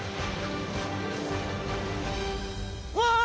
うわ！